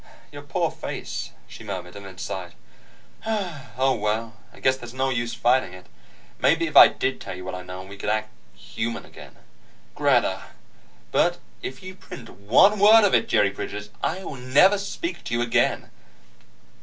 "Your poor face," she murmured, and then sighed. "Oh, well. I guess there's no use fighting it. Maybe if I did tell you what I know, we could act human again." "Greta!" "But if you print one word of it, Jerry Bridges, I'll never speak to you again!"